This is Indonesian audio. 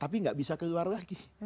tapi nggak bisa keluar lagi